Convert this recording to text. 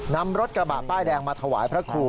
นำรถกระบะป้ายแดงมาถวายพระครู